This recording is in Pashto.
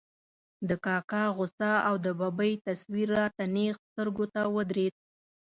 د کاکا غوسه او د ببۍ تصویر را ته نېغ سترګو ته ودرېد.